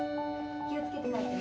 気をつけて帰ってね